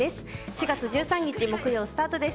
４月１３日木曜スタートです。